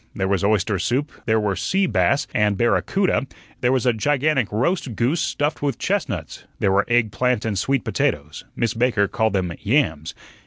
There was oyster soup; there were sea bass and barracuda; there was a gigantic roast goose stuffed with chestnuts; there were egg plant and sweet potatoes Miss Baker called them "yams."